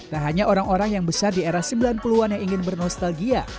tak hanya orang orang yang besar di era sembilan puluh an yang ingin bernostalgia